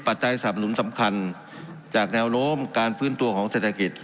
ปัจจัยสำนุนสำคัญจากแนวโลมการพื่นตัวของเศรษฐคิด